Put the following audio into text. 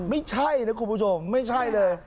ไม่ใช่นะคุณผู้ชมไม่ใช่เลย